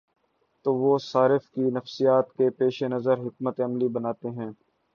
تو وہ صارف کی نفسیات کے پیش نظر حکمت عملی بناتے ہیں۔